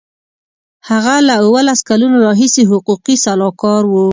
هغه له اوولس کلونو راهیسې حقوقي سلاکار و.